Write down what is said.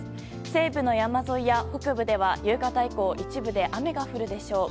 西部の山沿いや北部では夕方以降一部で雨が降るでしょう。